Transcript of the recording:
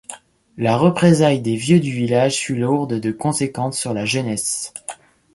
La représaille des vieux du village fut lourde de conséquences sur la jeunesse.